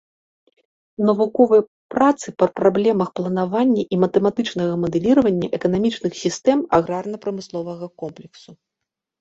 Навуковыя працы па праблемах планавання і матэматычнага мадэліравання эканамічных сістэм аграрна-прамысловага комплексу.